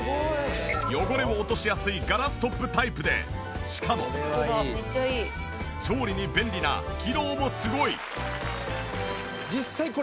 汚れを落としやすいガラストップタイプでしかも調理に便利な機能もすごい！